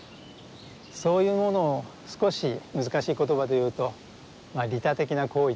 そういうものを少し難しい言葉で言うと「利他的な行為」というんでしょうか。